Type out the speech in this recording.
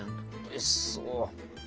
おいしそう。